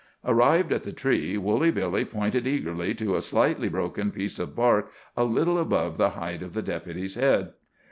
Arrived at the tree, Woolly Billy pointed eagerly to a slightly broken piece of bark a little above the height of the Deputy's head.